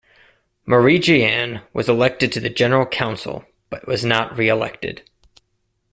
Marie-Jeanne was elected to the General Council but was not re-elected.